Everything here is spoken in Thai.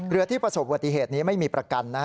เรือที่ประสบวติเหตุนี้ไม่มีประกันนะฮะ